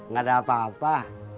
gak ada apa apa